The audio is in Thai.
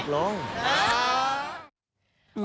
ใช่ผมเด็กล้อง